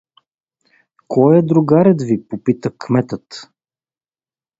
— Кой е другарят ви? — попита кметът.